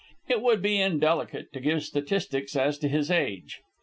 It would be indelicate to give statistics as to his age.